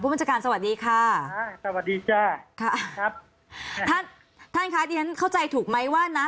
บัญชาการสวัสดีค่ะสวัสดีจ้าค่ะครับท่านท่านคะที่ฉันเข้าใจถูกไหมว่านะ